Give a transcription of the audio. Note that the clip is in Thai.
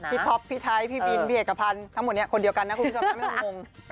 ท็อปพี่ไทยพี่บินพี่เอกพันธ์ทั้งหมดนี้คนเดียวกันนะคุณผู้ชมนะไม่ต้องงง